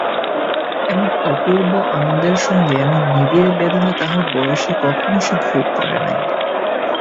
এমন অপূর্ব আনন্দের সঙ্গে এমন নিবিড় বেদনা তাহার বয়সে কখনো সে ভোগ করে নাই।